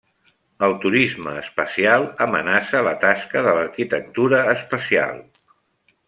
El turisme espacial amenaça la tasca de l'arquitectura espacial.